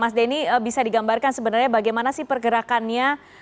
mas denny bisa digambarkan sebenarnya bagaimana sih pergerakannya